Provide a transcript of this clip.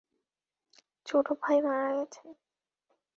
ছোট ভাই মারা গেছেন।